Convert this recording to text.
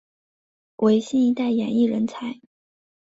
为新一代演艺人才。